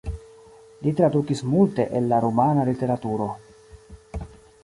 Li tradukis multe el la rumana literaturo.